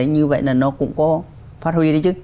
như vậy là nó cũng có phát huy đi chứ